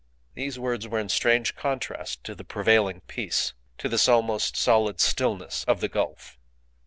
These words were in strange contrast to the prevailing peace to this almost solid stillness of the gulf.